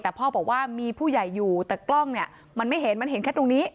แต่พ่อบอกว่ามีผู้ใหญ่อยู่แต่กล้องเนี่ยมันไม่เห็นมันเห็นแค่ตรงนี้